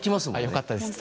よかったです